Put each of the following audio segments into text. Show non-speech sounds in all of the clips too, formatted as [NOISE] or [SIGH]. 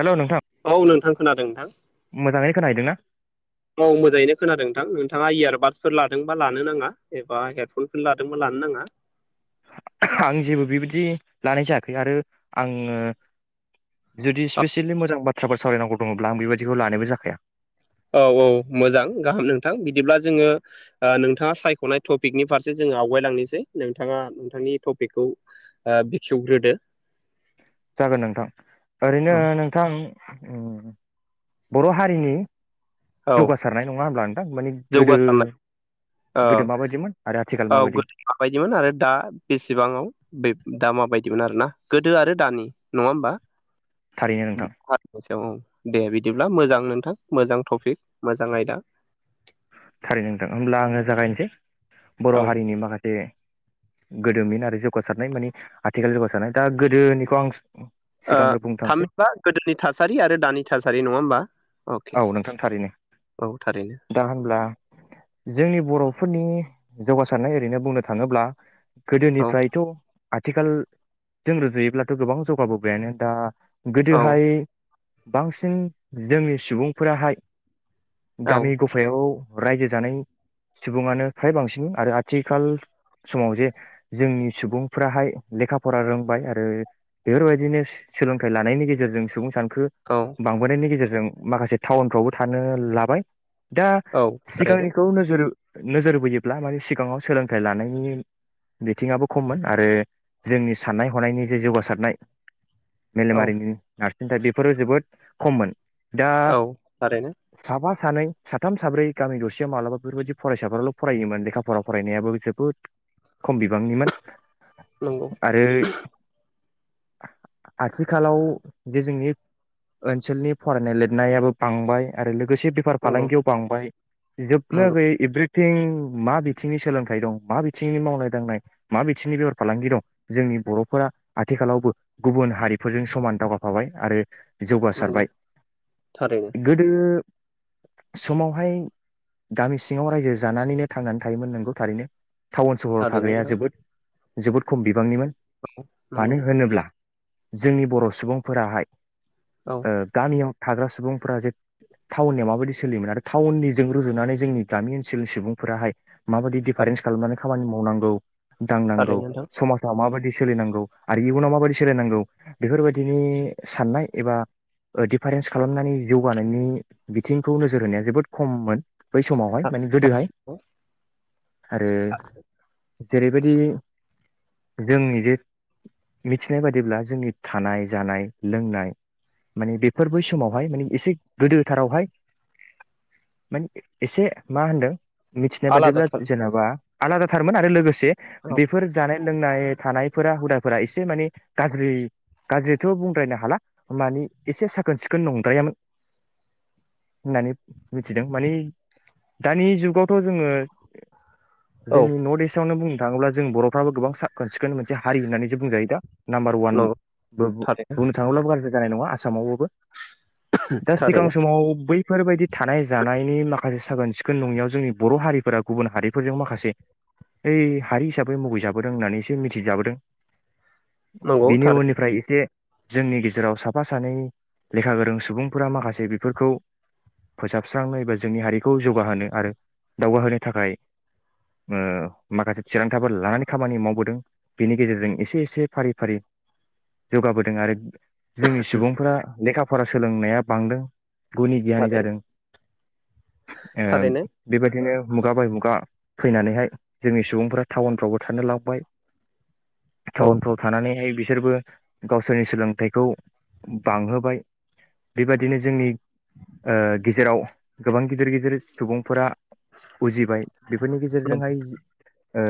हेल' नोंथां औ नोंथां खोनादों नोंथां मोजाङै खोनाहैदोंना? औ मोजाङैनो खोनादों नोंथां नोंथाङा इयारबाद्सफोर लादोंबा लानो नाङा एबा हेडफनफोर लादोंबा लानो नाङा आं जेबो बेबायदि लानाय जायाखै आरो आङो जुदि स्पेसियेलि मोजां बाथ्राफोर सावरायनांगौ दङब्ला आं बेबायाददिखौ लानायबो जाखाया। औ औ मोजां गाहाम नोंथां बिदिब्ला जोङो ओ नोंथाङा सायख'नाय टपिकनि फारसे जोङो आवगायलांनोसै नोंथाङा नोंथांनि टपिकखौ ओ बेखेवग्रोदो जागोन नोंथां ओरैनो नोंथां [INAUDIBLE] उ बर' हारिनि औ जौगासारनाय नङा होमब्ला? थां माने गोदो जौगासारनाय औ गोदो माबायदिमोन आरो आथिखाल औ माबायदि गोदो माबायदिमोन आरो दा बेसेबाङाव बेफोर दा माबायदि बिमोन आरोना गोदो आरो दानि नङा होमबा? थारैनो नोंथां से औ दे बिदिब्ला मोजां नोंथां मोजां टपिक मोजां आयदा थारैनो नोंथां होमब्ला आङो जागायनोसै बर' औ हारिनि माखासे गोदोमिन आरो जौगासारनाय माने आथिखाल जौगासारनाय दा गोदोनिखौ आं ओ सिगांग्रो बुंनो थांसै थामहिबा गोदोनि थासारि आरो दानि थासारि नङा होमबा अके औ नोंथां थारैनो औ थारैनो दा होनब्ला जोंनि बर फोरनि जौगासारनाय ओरैनो बुंनो थाङोब्ला औ गोदोनिफ्रायथ आथिखालजों रुजुयोब्लाथ' गोबां जौगा बोबायानो दा औ गोदोहाय बांसिन जोंनि सुबुंफोराहाय औ जामि गुफायाव रायजो जानाय सुबुङानो फ्राय बांसिन आरो आथिखाल खो औ बांबोनायनि गेजेरजों माखासे टाउनफ्रावबो थानो लाबाय दा औ थारैनो सिगांनिखौ नोजोर नोजोर बोयोब्ला मानिे सिगाङाव सोलोंथाइ लानायनि बिथिङआो खममोन आरो जोंनि साननाय हनायनि जे जौगासारनाय औ मेलेमारिनि नार दा बेफोरो जोबोद खममोन दा औ थारैनो सफा सानै साथाम साब्रै गामि दरसेयाव मालाबा बेफोरबायदि फरायसा नंगौ आरो आथिखालाव बे जोंनि ओनसोलनि फरायनाय लिरनायाबो बांबाय आरो लोगोसो बेफार नंगौ फालांगियाव बांबाय जोबनो नंगौ गैयै एभ्रि थिं मा बिथिंनि सोलोंथाइ दं, मा बिथिंनि मावनाय दांनाय, मा बिथिंनि बेहार फालांगि दं जोंनि बरफोरा आथिखालावबो गुबुन हारिफोरजों समान दावगाफाबाय आरो नंगौ जौगासारबाय । थारैनो । समावहाय गामि सिङाव रायजो जानानैनो थांनानै थायोमोन नंगौ थारैनो । टाउन सहराव थारैनो थाग्राया नोंथां जोबोद जोबोद खम बिबांनिमोन मानो नंगौ होनोब्ला जोंनि बर सुबुंफोराहाय औ ओ याव थाग्रा सुबुंफोरा जे टाउननियाव माबायदि सोलियोमोन आरो टाउन निजों रुजुनानै जोंनि गामि ओनसोलनि सुबुंफोराहाय माबायदि दिफारेन्स खालामनानै खामानि माव मावनांगौ दांनांगौ थारैनो नोंथां समाजा माबायदि सोलिनांगौ आरो इयुनाव माबायदि सोलिनांगौ बेफोरबायदिनि साननाय एबा दिफारेन्स खालामनानै जौगानायनि बिथिंखौ नोजोर होनाया जोबोद खममोन बै समावहाय माने गोदोहाय आरो जेरैबायदि जोंनि जे मिथिनाय बादिब्ला जोंनि थानाय जानाय लोंनाय माने बेफोर बै समावहाय माने एसे गोदोथारावहाय माने एसे मा होनदों मिथिनाय बादिब्ला आलादाथार जेनेबा आलादाथारमोन आरो लोगोसे बे औ बेफोर जानाय लोंनाय थानायफोरा हुदाफोरा एसे माने गाज्रि गाज्रिथ' बुंद्रायनो हाला मानि एसे साखोन सिखोन नंद्रायामोन होननानै मिथिदों मानि दानि जुगावथ' जोङो औ जोंनि नर्थ इस्टआवनो बुं थाङोब्ला जों बर'फ्राबो गोबां साख खोन सिखोन मोनसे हारि होननानैसो बुंजायो दा नाम्बार वान नंगौ बो थारैनो बुंनो थाङोब्लाबो गाज्रि जानाय नङा आसामावबो दा सिगां थारैनो समाव बै फोरबायदि थानाय जानायनि माखासे साखोन सिखोन नङैयाव जोंनि बर' हारिफोरा गुबुन हारिफोरजों माखासे हारि हिसाबै मुगैजाबोदों होननानै एसे मिथिजाबोदों नंगौ बेनि थारैनो उननिफ्राय एसे जोंनि गेजेराव साफा-सा नै लेखा गोरों सुबुंफोरा माखासे बेफोरखौ फोसाबस्रांनो एबा जोंनि हारिखौ जौगाहोनो आरो दावगाहोनो थाखाय ओ माखासे थिरांथाफोर लानानै खामानि मावबोदों बेनि गेजेरजों एसे एसे फारि फारि जौगाबोदों आरो सुबुंफोरा लेखा फरा सोलोंनाया बांदों गुनि गियानि थारैनो जादों । ओ थारैनो बेबायदिनो मुगा बाय मुगा फैनानैहाय जोंनि सुबुंफोरा टाउनफ्रावबो थानो लाबोबाय औ टाउनफ्राव थानानैहाय बि सोरबो गावसोरनि सोलोंथाइखौ बांहोबाय बेबादिनो जोंनि ओ गेजेराव गोबां गिदिर गिदिर सुबुंफोरा बुजिबाय बेफोरनि नंगौ गेजेरजोंहाय ओ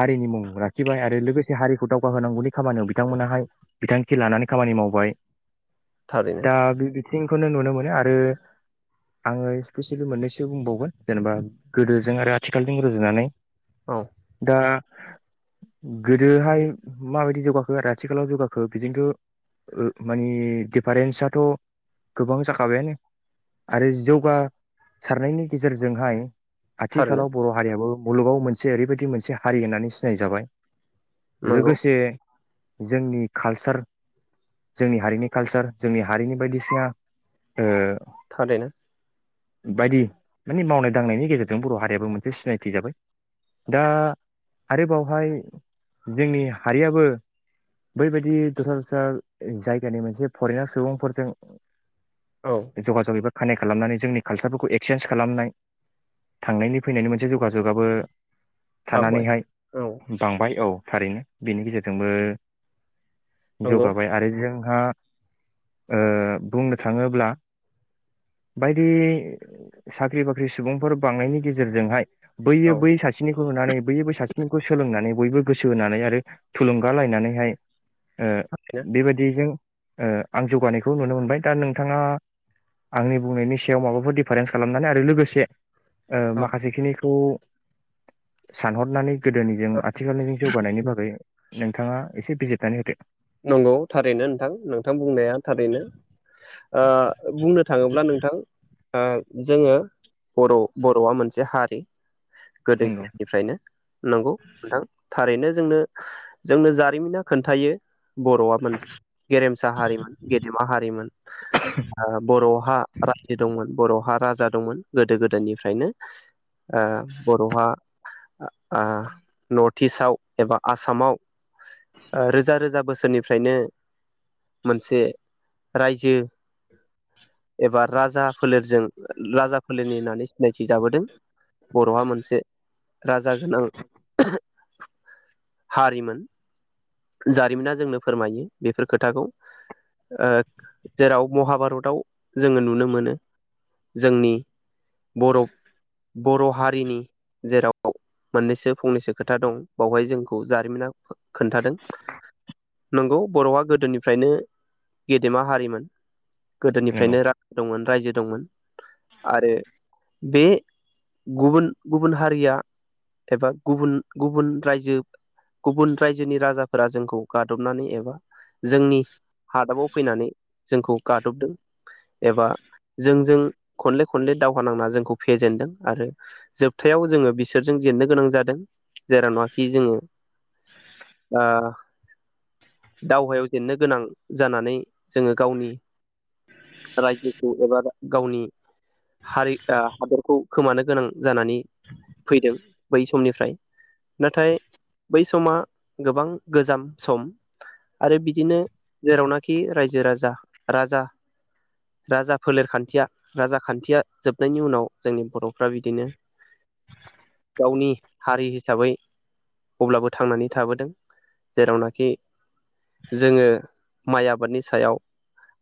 हारिनि मुं लाखिबाय आरो लोगो से हारिखौ दावगाहोनांगौनि खामानियाव बिथांमोनाहाय बिथांखि लानानै खामानि मावबाय थारैनो दा बि बि थिंखौनो नुनो मोनो आरो आङो स्पेसियेलि मोननैसो बुंबावगोन जेनेबा गोदोजों आरो आथिखालजों रुजुनानै औ दा गोदोहाय माबायदि जौगाखो आरो आथिखालाव जौगाखो बिजोंथ' ओ माने दिफारेन्साथ' गोबां जाखाबायानो आरो जौगा सारनायनि गेजेरजोंहाय थारैनो आथिखालाव बर' हारियाबो मुलुगाव मोनसे ओरैबायदि मोनसे हारि होननानै सिनायजाबाय नंगौ लोगोसे जोंनि कालसार जोंनि हारिनि कालसार जोंनि हारिनि बायदिसिना ओ थारैनो बायदि माने मावनाय दांनायनि गेजेरजों बर' हारियाबो मोनसे सिनायथि जाबाय दा आरो बावहाय जोंनि हारियाबो बैबायदि दस्रा दस्रा जायगानि मोनसे फरेनार सुबुंफोरजों औ बे जगाजग एबा खानेक्ट खालामनानै जोंनि कालसारफोरखौ एक्चन्स खालामनाय थांनायनि फैनायनि मोनसे जगाजगाबो बावबाय थानानैहाय औ बांबाय औ थारैनो बेनि गेजेरजोंबो नंगौ जौगाबाय आरो जोंहा ओ बुंनो थाङोब्ला बायदि साख्रि बाख्रि सुबुंफोर बांनायनि गेजेरजोंहाय बैयो औ बै सासेनिखौ नुनानै बैयो बै सासेनिखौ सोलोंनानै बयबो गोसो होनानै आरो थुलुंगा लायनानैहाय ओ दिजों ओ आं जौगानायखौ नुनो मोनबाय दा नोंथाङा आंनि बुंनायनि सायाव माबाफोर दिफारेन्स खालामनानै आरो लोगोसे ओ औ माखासेखिनिखौ सानहरनानै गोदोनिजों आथिखालनिजों जौगानायनि बागै नोंथाङा एसे बिजिरनानै होदो । नंगौ थारैनो नोंथां नोंथां बुंनाया थारैनो ओ बुंनो थाङोब्ला नोंथां ओ जोङो बर' बर'आ मोनसे हारि नंगौ गोदोनिफ्रायनो नंगौ नोंथां थारैनो जोंनो जोंनो जारिमिना खोन्थायो बर'आ मोनसे गेरेमसा हारिमोन गेदेमा हारिमोन ओ बर'हा रायजो दंमोन बर' हा राजा दंमोन गोदो गोदायनिफ्रायनो ओ बर'हा ओ नर्थिइस्टआव एबा आसामाव ओ रोज जा रोजा बोसोरनिफ्रायनो मोनसे रायजो एबा राजा फोलेरजों राजा फोलेरनि होननानै सिनायथि जाबोदों बर'हा मोनसे राजा गोनां हारिमोन । जारिमिना जोंनो फोरमायो बेफोर खोथाखौ ओ जेराव महाभारतआव जोङो नुनो मोनो जोंनि [INAUDIBLE] बर' बर' हारिनि जेराव मोननैसो फंनैसो खोथा दं बावहाय जोंखौ जारिमिना खोन्थादों । नंगौ बर'आ गोदोनिफ्रायनो गेदेमा हारिमोन । नंगौ गोदोनिफ्रायनो रां दंमोन । रायजो दंमोन आरो बे गुबुन गुबुन हारिया एबा गुबुन गुबुन रायजो गुबुन रायजोनि राजा फोरा जोंखौ गादबनानै एबा जोंनि हादाबाव फैनानै जोंखौ गादबदों एबा जोंजों खनले खनले दावहा नांना जोंखौ फेजेनदों आरो जोबथायाव जोङो बिसोरजों जेननो गोनां जादों जेराव नङाखि जोङो आ दावहायाव जेननो गोनां जानानै जोङो गावनि रायजोखौ एबा गावनि हारि ओ हादरखौ खोमानो गोनां जानानै फैदों । बै समनिफ्राय नाथाय बै समा गोबां गोजाम सम आरो बिदिनो जेरावनाखि रायजो राजा राजा राजा फोलेर खान्थिया राजा खान्थिया जोबनायनि उनाव जोंनि बर'फ्रा बिदिनो गावनि हारि हिसाबै अब्लाबो थांनानै थाबोदों । जेरावनाखि जोङो माइ आबादनि सायाव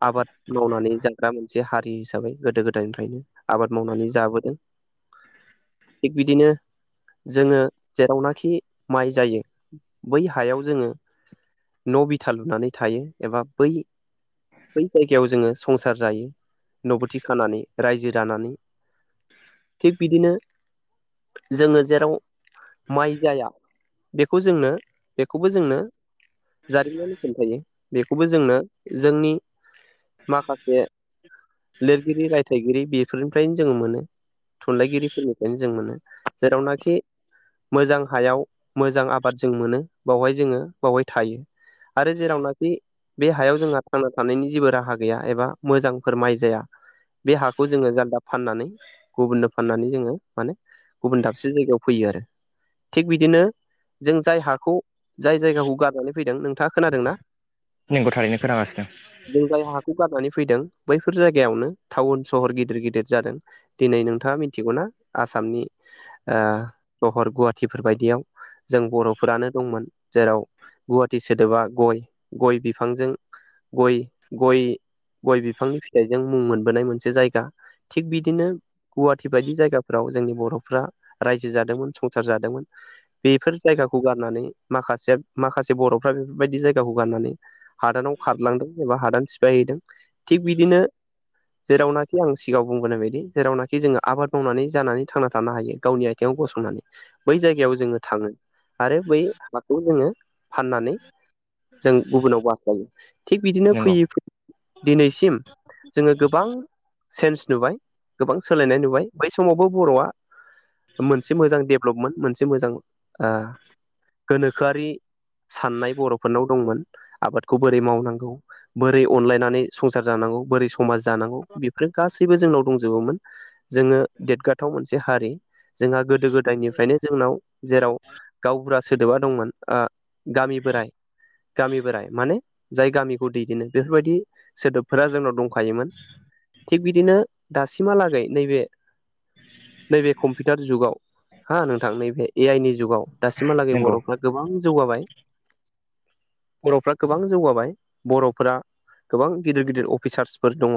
आबाद मावनानै जाग्रा मोनसे हारि हिसाबै गोदो गोद गोदायनिफ्रायनो आबाद मावनानै जाबोदों थिग बिदिनो जोङो जेरावनाखि माइ जायो बै हायाव जोङो न' बिथा लुनानै थायो एबा बै - बै जायगायाव जोङो संसार जायो न' बथि खानानै रायजो दानानै थिग बिदिनो जोङो जेराव माइ जाया बेखौ जोंनो बेखौबो जोंनो जारिमिनानो खोन्थायो । बेखौबो जोंनो जोंनि माखासे लिरगिरि रायथाइगिरि बेफोरनिफ्रायनो जों मोनो थुनलाइगिरिफोरनिफ्रायनो जों मोनो जेरावनाखि मोजां हायाव मोजां आबाद जों मोनो । बावहाय जोङो बावहाय थायो आरो जेरावनाखि बे हायाव जोंहा थांना थानायनि जेबो राहा गैया एबा मोजांफोर माइ जाया बे हाखौ जोङो जालदा फाननानै गुबुननो फाननानै जोङो माने गुबुन दाबसे जायगायाव फैयो आरो थिग बिदिनो जों जाय हाखौ जाय जायगाखौ गारनानै फैदों नोंथाङा खोनादों ना? नोंगौ थारैनो खोनागासिनो । जाय हाखौ गारनानै फैदों बैफोर जायगायावनो टाउन सहर गिदिर गिदिर जादों दिनै नोंथाङा मिथिगौना आसामनि ओ सहर गुवाहाटिफोर बायदियाव जों बर'फोरानो दंमोन जेराव गुवाहाटि सोदोबा गय गय बिफांजों गय गय गय बिफांनि फिथाइजों मुं मोनबोनाय मोनसे जायगा थिग बिदिनो गुवाहाटि बायदि जायगाफोराव जोंनि बर'फ्रा रायजो जादोंमोन संसार जादोंमोन बेफोर जायगाखौ गारनानै माखासेया माखासे बर'फ्रा बेफोरबायदि जायगाखौ गारनानै हादानाव खारलांदों एबा हादान सिफायहैदों थिग बिदिनो जेरावनाखि आं सिगाङाव बुंबोनाय बायदि जेरावनाखि जोङो आबाद मावनानै जानानै थांना थानो हायो गावनि आथिङाव गसंनानै बै जायगायाव जोङो थाङो आरो बै हाखौ जोङो फाननानै जों गुबुनाव बास्लायो । थिग बिदिनो नंगौ फैयै फै दिनैसिम जोङो गोबां चेन्ज नुबाय गोबां सोलायनाय नुबाय बै समावबो बर'आ मोनसे मोजां डेभलपमोन मोनसे मोजां ओ गोनोखोआरि साननाय बर'फोरनाव दंमोन आबादखौ बोरै मावनांगौ बोरै अनलायनानै संसार जानांगौ बोरै समाज दानांगौ बेफोरो गासैबो जोंनाव दंजोबोमोन जोङो देदगाथाव मोनसे हारि जोंहा गोदो गोदायनिफ्रायनो जोंनाव जेराव गावबुरा सोदोबा दंमोन ओ गामि बोराइ गामि बोराइ माने जाय गामिखौ दैदेनो बेफोरबायदि सोदोबफोरा जोंनाव दंखायोमोन थिग बिदिनो दासिमहालागै नैबे नैबे कम्पिउटार जुगाव हा नोंथां नैबे ए आइ नि जुगाव दासि सिमहालागै नंगौ बर'फ्रा गोबां जौगाबाय । बर'फ्रा गोबां जौगाबाय बर'फोरा गोबां गिदिर गिदिर अफिसार्सफोर दङ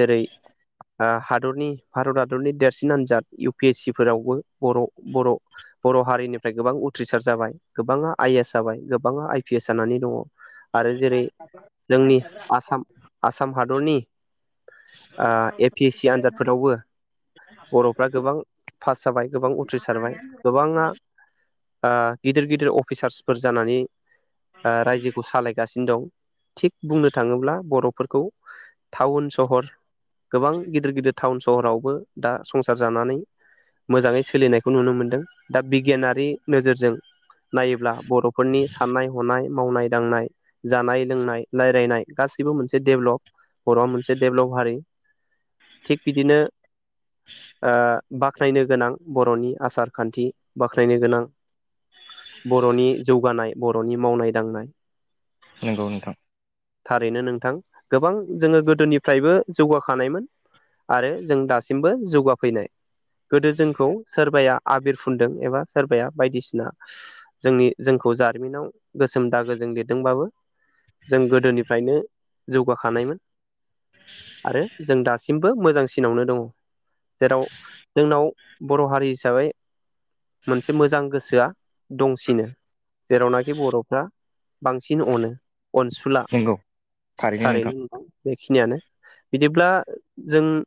जेरै ओ हादरनि भारत हादरनि देरसिन आनजाद इउ पि एस सि फोरावबो बर' बर' बर' हारिनिफ्राय गोबां उथ थ्रिसार जाबाय गोबाङा आइ एस जाबाय गोबाङा आइ पि एस जानानै दङ । आरो जेरै जोंनि आसाम आसाम हादरनि ओ ए पि एस सि आन्जाद फोरावबो बर'फ्रा गोबां पास जाबाय गोबां उथ्रिसारबाय गोबाङा ओ गिदिर गिदिर अफिसार्सफोर जानानै ओ रायजोखौ सालायगासिनो दं थिग बुंनो थाङोब्ला बर'फोरखौ टाउन सहर गोबां गिदिर गिदिर टाउन सहरावबो दा संसार जानानै मोजाङै सोलिनायखौ नुनो मोन्दों दा बिगियानारि नोजोरजों नायोब्ला बर'फोरनि साननाय हनाय मावनाय दांनाय जानाय लोंनाय रायलायनाय गासैबो मोनसे डेभेलप बर'आ मोनसे डेभेलप हारि थिग बिदिनो ओ बाख्नायनो गोनां बर'नि आसार खान्थि बाख्नायनो गोनां बर'नि जौगानाय बर'नि मावनाय दांनाय नोंगौ नोंथां। थारैनो नोंथां गोबां जोङो गोदोनिफ्रायबो जौगाखानायमोन आरो जों दासिमबो जौगाफैनाय गोदो जोंखौ सोरबाया आबिर फुनदों एबा सोरबाया बायदिसिना जोंनि जोंखौ जारिमिनाव गोसोम दागोजों लिरदोंबाबो जों गोदोनिफ्रायनो जौगाखानायमोन आरो जों दासिमबो मोजांसिनावनो दङ जेराव जोंनाव बर' हारि हिसाबै मोनसे मोजां गोसोआ दंसिनो जेरावनाखि बर'फ्रा बांसिन अनो। अनसुला नंगौ थारैनो नुदों। बेखिनियानो बिदिब्ला जों